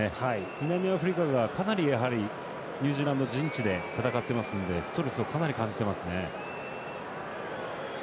南アフリカがかなりニュージーランド陣地で戦ってますのでストレスをかなり感じてますね。